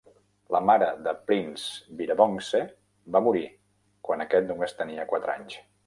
La mare de Prince Birabongse va morir, quan aquest només tenia quatre anys.